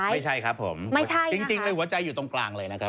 ไม่ใช่ครับผมไม่ใช่จริงเลยหัวใจอยู่ตรงกลางเลยนะครับ